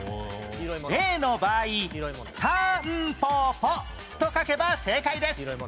例の場合「たんぽぽ」と書けば正解です